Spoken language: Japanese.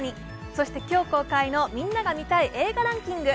そして、今日公開のみんなが見たい映画ランキング。